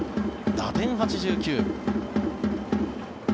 打点８９。